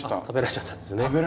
食べられちゃったんですね。